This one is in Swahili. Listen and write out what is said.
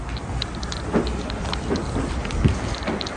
matunda yana wanga bora sana inayotakiwa kwenye mwili